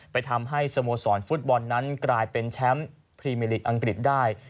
ทำให้สโมสรฟุตบอลนั้นกลายเป็นแชมป์พรีเมอร์ลีกอังกฤษได้